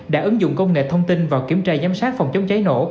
đã ứng dụng công nghệ thông tin vào kiểm tra giám sát phòng chống cháy nổ